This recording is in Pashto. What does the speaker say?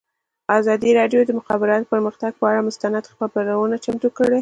ازادي راډیو د د مخابراتو پرمختګ پر اړه مستند خپرونه چمتو کړې.